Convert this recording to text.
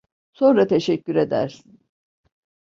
Sonra teşekkür edersin.